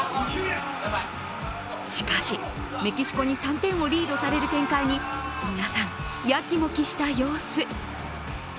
しかし、メキシコに３点をリードされる展開に皆さん、やきもきした様子。